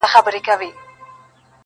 ستا په نوم به خیراتونه وېشل کېږي -